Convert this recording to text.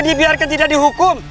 masih dibiarkan tidak dihukum